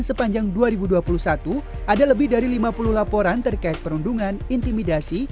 sepanjang dua ribu dua puluh satu ada lebih dari lima puluh laporan terkait perundungan intimidasi